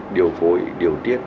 điều phối điều tiết